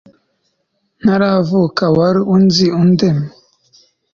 ntaranavuka wari unzi; undemye